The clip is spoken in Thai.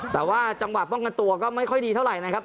แต่ว่าจังหวะป้องกันตัวก็ไม่ค่อยดีเท่าไหร่นะครับ